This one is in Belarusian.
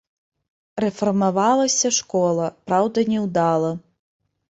Рэфармавалася школа, праўда няўдала.